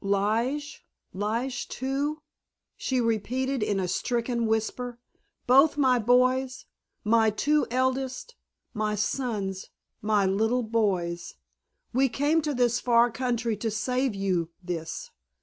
"Lige—Lige, too!" she repeated in a stricken whisper. "Both my boys! My two eldest—my sons—my little boys! We came to this far country to save you this.